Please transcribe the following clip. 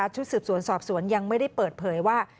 ชุดสืบสวนสอบสวนยังไม่ได้เปิดเผยว่า